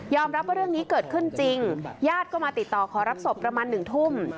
รับว่าเรื่องนี้เกิดขึ้นจริงญาติก็มาติดต่อขอรับศพประมาณ๑ทุ่ม